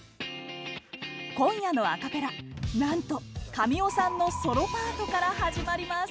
今夜のアカペラなんと神尾さんのソロパートから始まります。